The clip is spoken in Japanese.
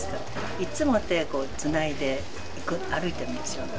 いっつも手つないで、行く、歩いてたんですよ。